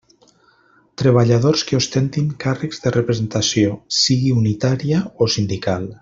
Treballadors que ostentin càrrecs de representació, sigui unitària o sindical.